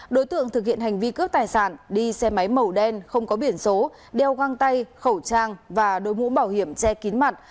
đối tượng thực hiện hành vi cướp tài sản đi xe máy màu đen không có biển số đeo găng tay khẩu trang và đối mũ bảo hiểm che kín mặt